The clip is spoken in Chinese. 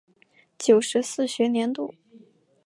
九十四学年度